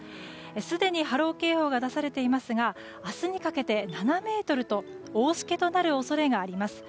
すでに波浪警報が出されていますが明日にかけて７メートルと大しけになる恐れがあります。